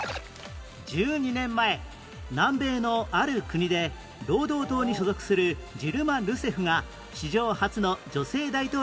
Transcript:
１２年前南米のある国で労働党に所属するジルマ・ルセフが史上初の女性大統領に就任